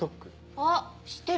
あっ知ってる。